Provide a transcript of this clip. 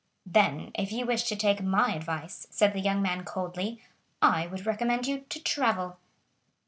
"Then if you wish to take my advice," said the young man coldly, "I would recommend you to travel."